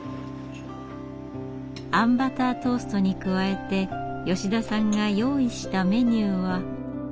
あんバタートーストに加えて吉田さんが用意したメニューは。